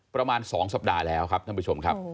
ประมาณ๒สัปดาห์แล้วครับท่านผู้ชมครับ